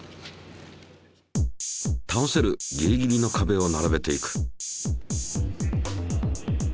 たおせるギリギリの壁を並べていく。